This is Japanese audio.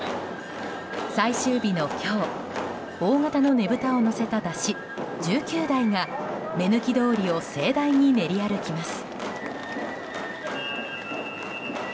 最終日の今日、大型のねぶたを乗せた山車１９台が目抜き通りを盛大に練り歩きます。